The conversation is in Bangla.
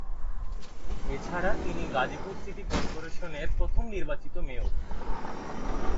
এছাড়া তিনি গাজীপুর সিটি কর্পোরেশনের প্রথম নির্বাচিত মেয়র।